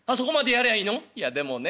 いやでもね